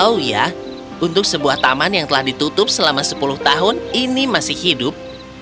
tahu ya untuk sebuah taman yang telah ditutup selama sepuluh tahun ini masih hidup